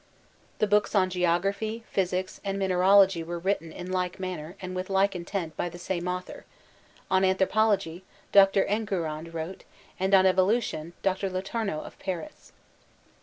The books on geography, physics, and minerology were written in like manner and with like intent by the same author; on anthropology. Dr. Enguerrand wrote, and on evolution, Dr. Letoumeau of Paris.